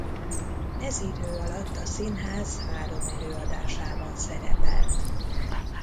Ez idő alatt a színház három előadásában szerepelt.